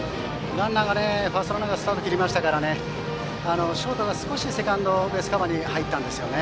ファーストランナーがスタートしたのでショートが少しセカンドベースカバーに入ったんですよね。